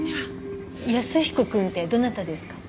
安彦くんってどなたですか？